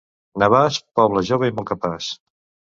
Navàs, poble jove i molt capaç.